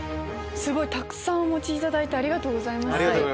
たくさんお持ちいただいてありがとうございます。